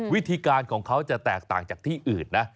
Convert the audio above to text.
วิธีการของเขาจะแตกต่างจากที่อื่นนะ